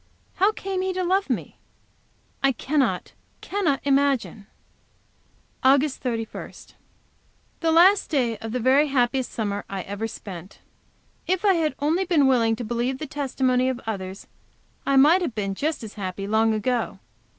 How came he to love me? I cannot, cannot imagine! August 31. The last day of the very happiest summer I ever spent. If I had only been willing to believe the testimony of others I might have been just as happy long ago.